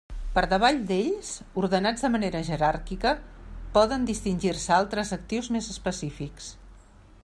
Per davall d'ells, ordenats de manera jeràrquica, poden distingir-se altres actius més específics.